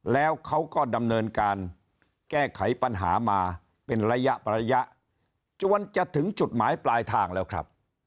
แล้วเขาก็ดำเนินการแก้ไขปัญหามาเป็นระยะระยะจนจะถึงจุดหมายปลายทางแล้วครับ